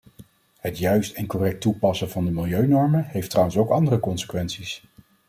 Het juist en correct toepassen van de milieunormen heeft trouwens ook andere consequenties.